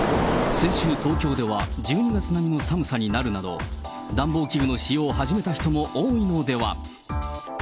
先週、東京では１２月並みの寒さになるなど、暖房器具の使用を始めた人も多いのでは。